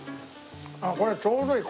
ああこれちょうどいい。